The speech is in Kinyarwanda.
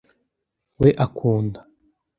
we akunda